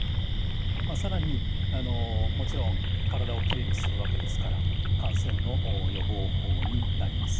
まあ更にもちろん体をきれいにするわけですから感染の予防になります。